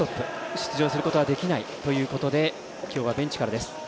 出場することはできないということで今日はベンチからです。